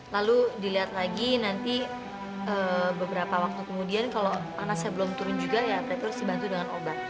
lalu dilihat lagi nanti beberapa waktu kemudian kalau panasnya belum turun juga ya mereka harus dibantu dengan obat